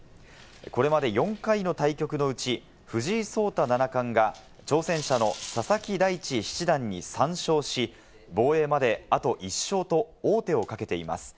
これまで４回の対局のうち、藤井聡太七冠が挑戦者の佐々木大地七段に３勝し、防衛まで、あと１勝と王手をかけています。